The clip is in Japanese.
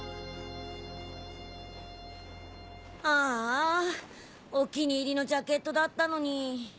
ああお気に入りのジャケットだったのに。